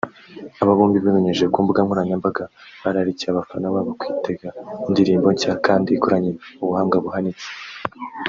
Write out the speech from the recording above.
Aba bombi babinyujije ku mbuga nkoranyambaga bararikiye abafana babo kwitega indirimbo nshya kandi ikoranye ubuhanga buhanitse